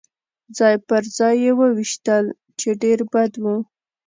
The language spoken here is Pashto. ځای پر ځای يې وویشتل، چې ډېر بد و.